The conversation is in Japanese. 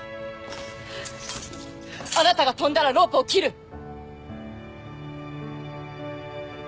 あなたが飛んだらロープを切る。